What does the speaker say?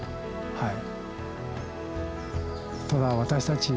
はい。